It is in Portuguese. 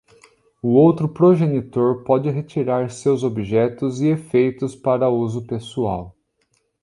O outro progenitor pode retirar seus objetos e efeitos para uso pessoal.